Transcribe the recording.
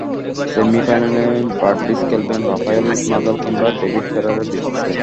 সেমিফাইনালে বার্ডিচ খেলবেন Rafael Nadal কিংবা ডেভিড ফেরারের বিপক্ষে।